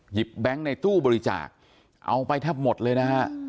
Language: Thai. หยิบแบงค์ในตู้บริจาคเอาไปทั้งหมดเลยนะฮะ